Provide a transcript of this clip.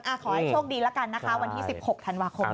ขอให้โชคดีแล้วกันนะคะวันที่๑๖ธันวาคม